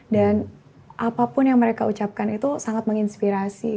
dan apapun yang mereka ucapkan itu sangat menginspirasi